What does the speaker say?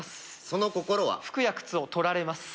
その心は服や靴をとられます